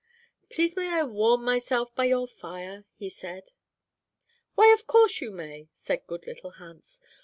"'Please may I warm myself by your fire?' he said. "'Why of course you may,' said good little Hans.